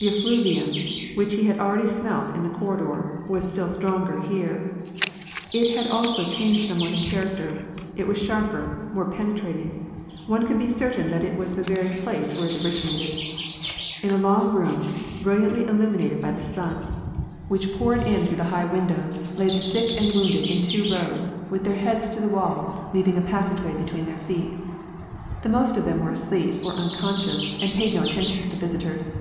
The effluvium, which he had already smelt in the cor^ ridor, was still strongei* here. It had also changed somewhat in character : it was sharper, more penetrating, one could be certain that this was the very place where it originated. In a long room, brilliantly illuminated by the sun, which ^ WAR AND PEACE. 187 poured in through the high windows, lay the sick and wounded in two rows, with their heads to the walls, leaving a passage way between their feet. The most of them were asleep or un conscious, and paid no attention to the visitors.